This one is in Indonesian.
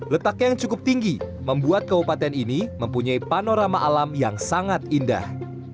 letaknya yang cukup tinggi membuat kabupaten ini mempunyai panorama alam yang sangat indah